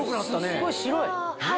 すごい白い。